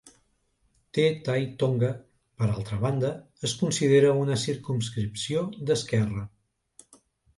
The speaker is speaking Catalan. Te Tai Tonga, per altra banda, es considera una circumscripció d'esquerra.